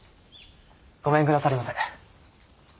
ごめんくださりませ。